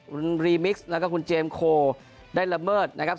คุณรีมิกซ์แล้วก็คุณเจมส์โคได้ละเมิดนะครับ